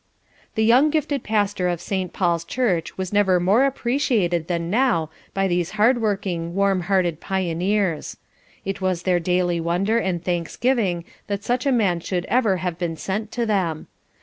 The young gifted pastor of St. Paul's Church was never more appreciated than now by these hardworking, warm hearted pioneers. It was their daily wonder and thanksgiving that such a man should ever have been sent to them.